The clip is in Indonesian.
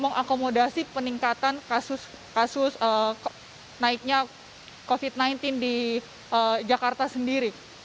mengakomodasi peningkatan kasus naiknya covid sembilan belas di jakarta sendiri